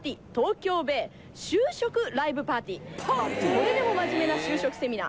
「これでも真面目な就職セミナー」